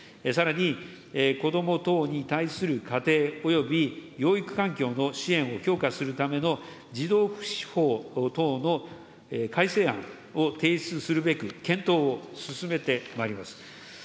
さらに、子ども等に対する家庭および養育環境の支援を強化するための児童福祉法等の改正案を提出するべく、検討を進めてまいります。